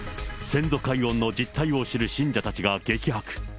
先祖解怨の実態を知る信者たちが激白。